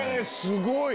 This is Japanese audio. すごい！